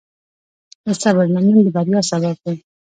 د صبر لمن د بریا سبب دی.